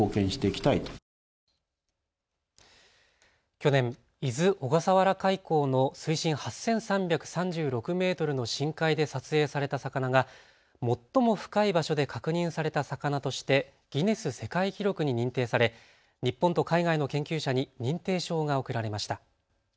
去年、伊豆・小笠原海溝の水深８３３６メートルの深海で撮影された魚が最も深い場所で確認された魚としてギネス世界記録に認定され日本と海外の研究者に認定証が贈られました。